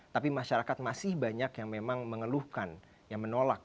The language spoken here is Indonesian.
tapi masyarakat masih banyak yang memang mengeluhkan yang menolak